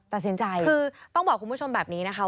ตัดสินใจคือต้องบอกคุณผู้ชมแบบนี้นะคะ